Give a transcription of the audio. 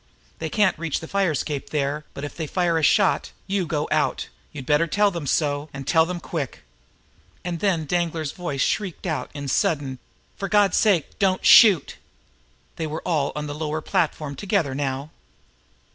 They can't reach the fire escape there, but if they fire a single shot you go out! You'd better tell them so and tell them quick!" And then Danglar's voice shrieked out in sudden, "for God's sake, don't fire!" They were all on the lower platform together now.